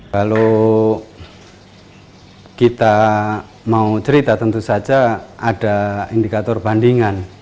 kalau kita mau cerita tentu saja ada indikator bandingan